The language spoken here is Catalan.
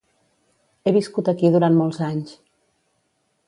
He viscut aquí durant molts anys.